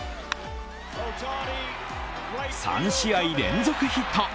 ３試合連続ヒット。